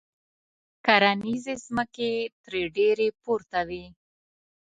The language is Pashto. کرنیزې ځمکې ترې ډېرې پورته وې.